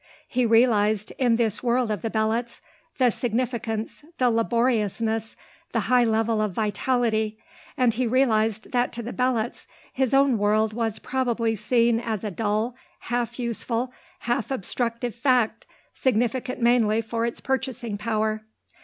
He realized, in this world of the Belots, the significance, the laboriousness, the high level of vitality, and he realized that to the Belots his own world was probably seen as a dull, half useful, half obstructive fact, significant mainly for its purchasing power.